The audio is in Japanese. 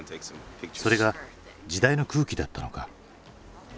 それが時代の空気だったのか。